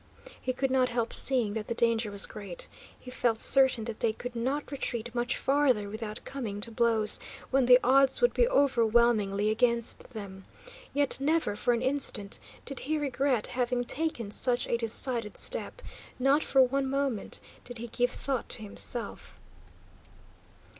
He could not help seeing that the danger was great. He felt certain that they could not retreat much farther without coming to blows, when the odds would be overwhelmingly against them. Yet never for an instant did he regret having taken such a decided step; not for one moment did he give thought to himself.